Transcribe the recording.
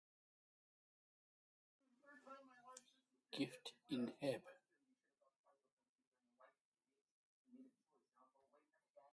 Gift in Heb.